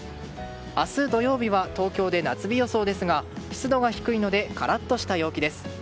明日、土曜日は東京で夏日予想ですが湿度が低いのでカラッとした陽気です。